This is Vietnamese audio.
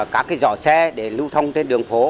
các giỏ xe để lưu thông trên đường phố